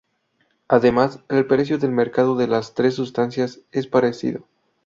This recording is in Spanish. Además, el precio de mercado de las tres sustancias es parecido.